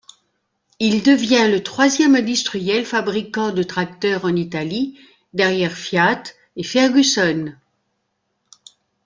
Il devient le troisième industriel fabricant de tracteurs en Italie derrière Fiat et Ferguson.